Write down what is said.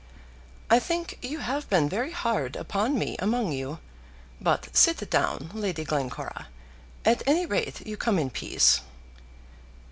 I think you have been very hard upon me among you. But sit down, Lady Glencora. At any rate you come in peace."